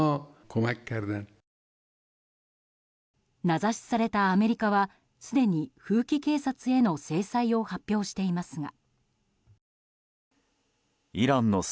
名指しされたアメリカはすでに風紀警察への制裁を発表していますが。